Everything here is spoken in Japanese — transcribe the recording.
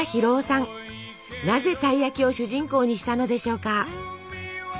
なぜたい焼きを主人公にしたのでしょうか？